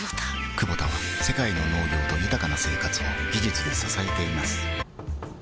クボタは世界の農業と豊かな生活を技術で支えています起きて。